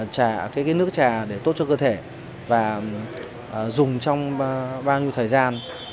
trà cái nước trà để tốt cho cơ thể và dùng trong bao nhiêu thời gian